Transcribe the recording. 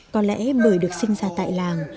có lẽ bởi được sinh ra tại làng